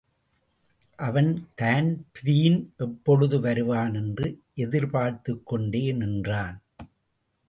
அவன் தான்பிரீன் எப்பொழுது வருவான் என்று எதிர்பார்த்துக்கொண்டே நின்றான்.